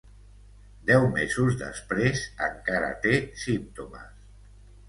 Deu mesos després encara té símptomes.